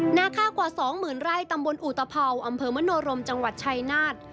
หน้าค่ากว่าสองหมื่นไร่ตำบลอุตภัวร์อำเภอมโมโนรมจังหวัดชายนาฏ